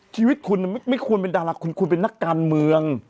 ชีวิตคุณไม่ควรเป็นดาราคุณเป็นนักการเมือง